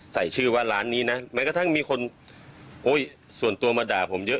ใส่ชื่อว่าร้านนี้นะแม้กระทั่งมีคนส่วนตัวมาด่าผมเยอะ